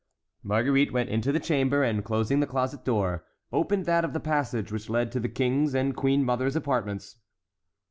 Marguerite went into the chamber, and closing the closet door, opened that of the passage which led to the King's and queen mother's apartments.